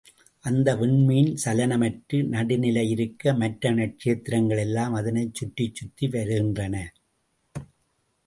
அந்த விண்மீன் சலனமற்று, நடுநிலையிலிருக்க, மற்ற நட்சத்திரங்கள் எல்லாம் அதனைச் சுற்றிச் சுற்றி வருகின்றன.